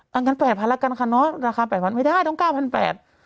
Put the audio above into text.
เอางั้น๘๐๐๐บาทละกันค่ะเนาะราคา๘๐๐๐บาทไม่ได้ต้อง๙๐๐๐บาท